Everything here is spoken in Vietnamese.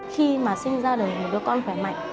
khi mà sinh ra đời một đứa con khỏe mạnh